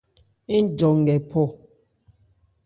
Ń jɔ nkɛ phɔ.